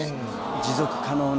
持続可能な。